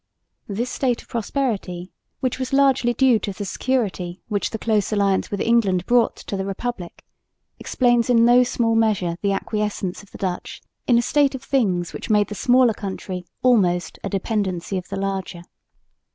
This state of prosperity, which was largely due to the security which the close alliance with England brought to the Republic, explains in no small measure the acquiescence of the Dutch in a state of things which made the smaller country almost a dependency of the larger.